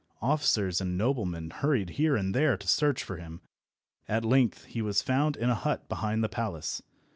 Officers and noblemen hurried here and there to search for him. At length he was found in a hut behind the palace.